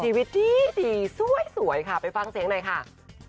ชีวิตดีสวยค่ะไปฟังเสียงหน่อยค่ะ